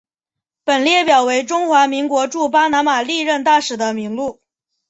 本列表为中华民国驻巴拿马历任大使的名录。